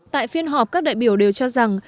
tại phiên họp các đại biểu đều cho rằng